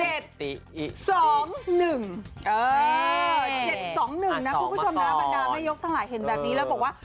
คุณผู้ชมนะบรรดาแม่ยกทั้งหลายเห็นแบบนี้แล้วบอกว่า